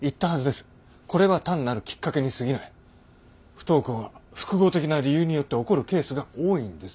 不登校は複合的な理由によって起こるケースが多いんです。